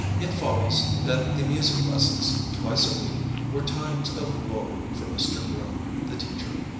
It follows that the music lessons, twice a week, were times of woe for Mr. Groom, the teacher.